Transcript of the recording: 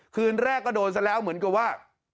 คืนแรกก็โดนซะแล้วเหมือนกับว่า